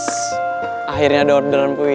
tapi itu orang bercanda apa beli